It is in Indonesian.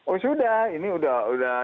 oh sudah ini sudah